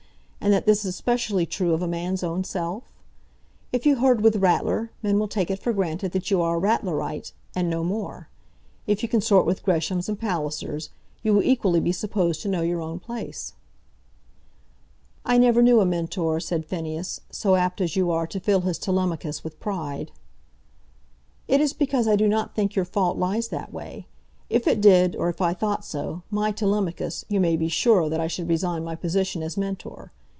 and that this is specially true of a man's own self? If you herd with Ratler, men will take it for granted that you are a Ratlerite, and no more. If you consort with Greshams and Pallisers, you will equally be supposed to know your own place." "I never knew a Mentor," said Phineas, "so apt as you are to fill his Telemachus with pride." "It is because I do not think your fault lies that way. If it did, or if I thought so, my Telemachus, you may be sure that I should resign my position as Mentor.